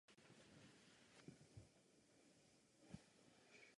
Začátkem devadesátých let ale ukončil svoje působení ve společnosti a posléze i v archeologii.